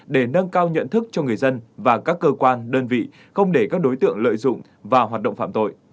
để nâng cao nhận thức cho người dân và các cơ quan đơn vị không để các đối tượng lợi dụng vào hoạt động phạm tội